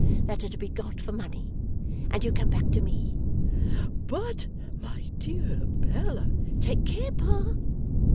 that are to be got for money; and you come back to me.' 'But, my dear Bella ' 'Take care, Pa!